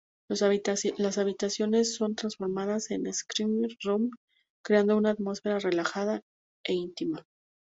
Las habitaciones son transformadas en "screening rooms", creando una atmósfera relajada e íntima.